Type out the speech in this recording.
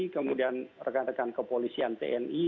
kemudian rekan rekan kepolisian tni